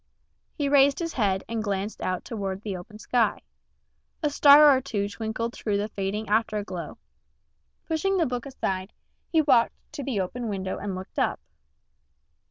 He raised his head and glanced out toward the western sky. A star or two twinkled through the fading afterglow. Pushing the book aside, he walked to the open window and looked up.